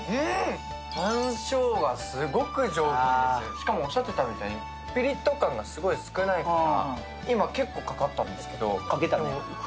しかもおっしゃってたようにぴりっと感が少ないから今、結構かかったんですけど。